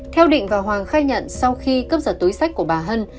theo định và hoàng khai nhận sau khi cướp giật túi sách của bà hân